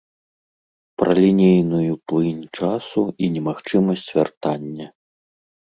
Пра лінейную плынь часу і немагчымасць вяртання.